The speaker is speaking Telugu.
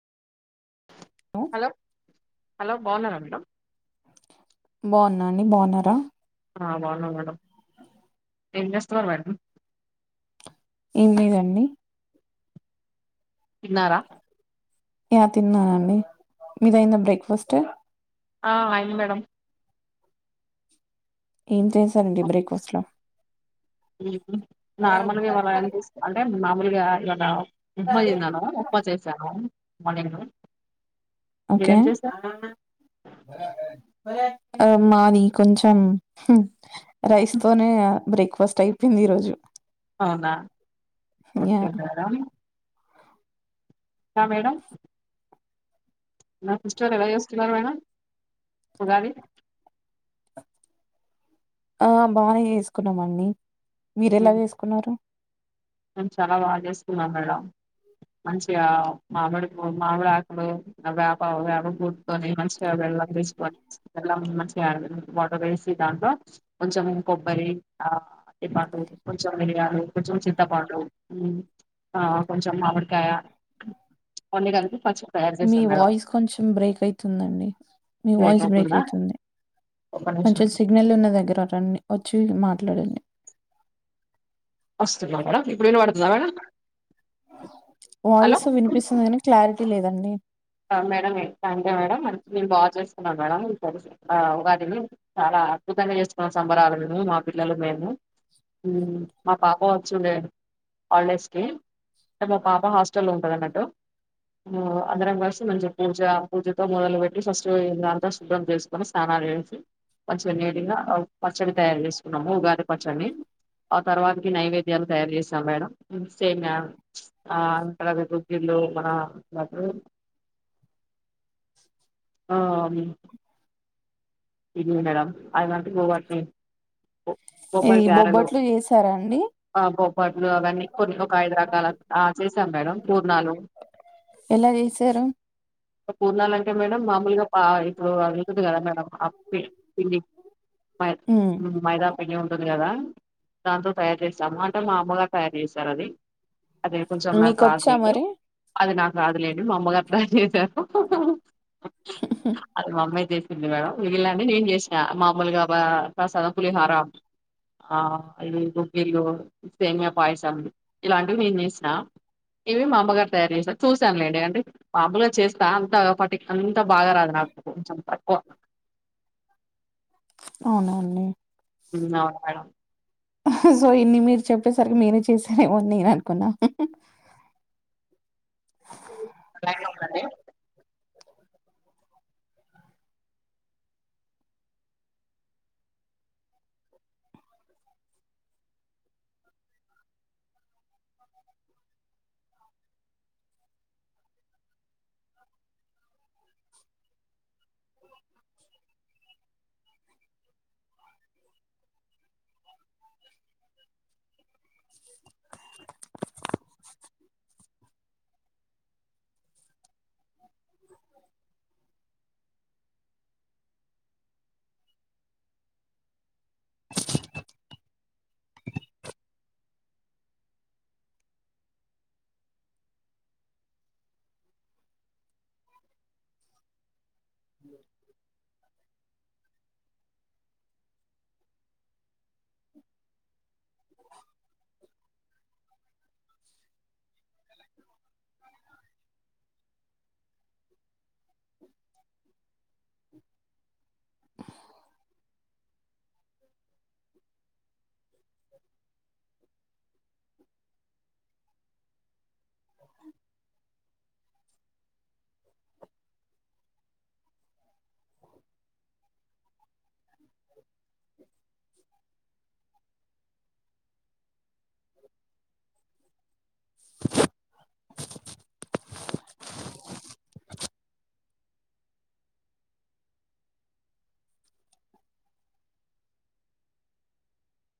హలో హలో బాగున్నారా మేడం? బాగున్నా అండి బాగున్నారా? ఆ బావున్నా మేడం. ఏం చేస్తున్నారు మేడం? వెళ్లి రండి తిన్నారా యా తిన్నానండి మీదయింద బ్రేక్ఫాస్ట్. ఆ ఆయిన మేడ ఏం చేస నార్మల్గా ఇవాళ ఏ అంటేర్ ములుగా ఎలా ఉన్నావు? ఉప్మా చేసినాను, ఉప్మా చేశాను. మొన్న నేను ఓకే [unintelligible] అ మాది కొంచెం హు రైస్ తోనే బ్రేక్ఫాస్ట్ అయిపోయింది ఈ రోజు. అవునా యా ఓకే మేడం ఆ మేడం నా ఫెస్టివల్ ఎలా చేసుకున్నారు మేడం ఉగాది. ఆ బానే చేసుకున్నామండి. మీరు ఎలా చేసుకున్నారు? మే చాలా బాగా చేసుకున్నాం మేడం. మంచిగా మామిడి పూవు, మామిడి ఆకులు, వేప పూవు, వేప పూటుతోని మంచిగా బల్లం తీసుకొనిల్ మంచిగా వాటర్ వేసి దాంట్లో కొంచెం కొబ్బరి, ఆ అరటిపండ్లు, కొంచెం మిరియాలు, కొంచెం చింత త్తపాండు కొంచెం మామిడికాయ కొన్నికలిపి పస్ మీ వాయిస్ కొంచెం బ్రేక్ అయితుందండి. మీ లేట్ వాయిస్ బ్రేక్ అవుతుందా అయితుంది. ఒక్క నిమిషం కొంచెం సిగ్నల్ ఉన్న దగ్గర రన్నీ వ చూ మాట్లాడండి. [unintelligible] మేడం ఇప్పుడు ఇనపడుతుందా మేడం హలో వయిస్ వినిపిస్తుంది కానీ క్లారిటీ లేదండి. మేడం థ్యాంక్ యూ మేడం నేను బాగా చేస్తున్నాను మేడం వాటిని చాలా అద్భుతంగా చేస్తున్నా సంబరాలు మేము, మా పిల్లలు, మేము మా పాప వచ్చిండే ఆల్డేజ్కి అంటే మా పాప హాస్టల్లో ఉంటుంది. అన్నట్టు ఊ అందరం కో మంచిగా పూజ పూజతో మొదలు పెట్టి ఫస్ట్ ఇల్లంతా శుబ్రం చేసుకొని స్నానాలు చేసి మంచిగా నీటిగా పచ్చడి తయారు చేసుకున్నాము ఉగాది పచ్చడిని. ఆ తర్వాతకి నైవేద్యాలు తయారు చేసాం మేడం సెమ్యా, ఆ తర్వాత గుగ్గిళ్ళు మన లడ్లు ఆ ఇది మేడం ఐదు గంటలకి పోవాల్సి ఇది బొబ్బరి గారెలు, బొబ్బట్లు చేసారా అండి ఆ బొబ్బట్లు అవన్నీ కొన్ని ఒక ఐదు రకాల, ఆ చేసాం మేడం. పూర్ణాలు ఎలా చేసారు పూర్ణాల అంటే మేడం మామూలుగా పా ఇప్పుడు అది ఉంటుంది కదా మేడం. పి పిండి మై ఉమ్ మైదా అయ్యే ఉంటది కదా, దాంతో తయారు చేస్తాము, అంటే మా అమ్మగారు తయారు చేశారు అది. అది కొంచెం నాకు మీకొచ్చా రాదిది, మరి అది నాక్ రాదులేండి మా అమ్మగారు తయార్ చేశారు. అది మామ్మే చేసి ఏంది మేడం మిగిలండి నేను చేసినా మామూలుగా ప ప్రసాద పులిహార, ఆ ఇవి బొగ్గిలు, సేమియా పాయిసం ఇలాంటివి నేను చేసినా. ఇవి మామ్మగారు తయారు చేసారు చూసాం లేండి, అంటే మామూలుగా చేస్తా అంత పటి అంత బాగా రాదు నాకు. కొంచెం తక్కువ అవును అండి ఉమ్ అవును మేడం అహ్హ్ సో ఇన్ని మీరు చెప్పేసరికి మీరే చేసారేమోని నేను అనుకున్నా. హహ్ అవును అండి. అ [inaudible] [unintelligible] [inaudible]